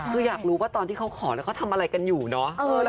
คืออยากรู้ว่าตอนที่เขาขอเขาทำอะไรกันอยู่เนอะ